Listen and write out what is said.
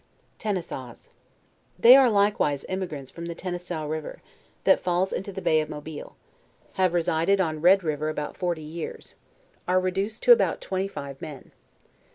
TENISAWS. They are likewise emigrants from the Ten nesau river, that falls into the bay of Mobile; have resided on Red river about forty years; are reduced to about twenty five men.